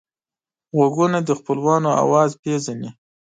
غوږونه د خپلوانو آواز پېژني